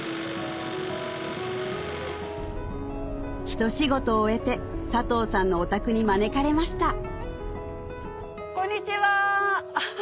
ひと仕事を終えて佐藤さんのお宅に招かれましたこんにちは。